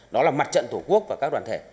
đó là mặt trận tổ quốc và các đoàn thể